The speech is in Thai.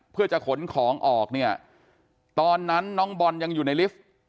เพื่อจะขนของออกเนี่ยตอนนั้นน้องบอลยังอยู่ในลิฟต์